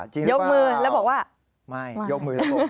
ยกมือแล้วบอกว่าว่าไม่ยกมือแล้วบอกว่า